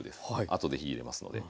あとで火入れますので。